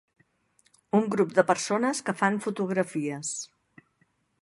Un grup de persones que fan fotografies.